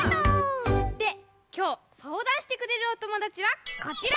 できょうそうだんしてくれるおともだちはこちら！